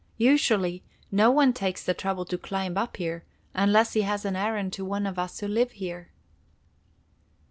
Usually, no one takes the trouble to climb up here, unless he has an errand to one of us who live here."